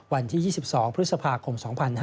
วันที่๒๒พฤษภาคม๒๕๕๙